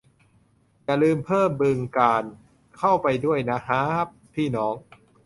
อย่าลืมเพิ่ม บึงกาฬ เข้าไปด้วยนะฮ้าบพี่น้อง